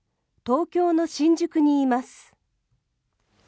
東京の新宿にいます。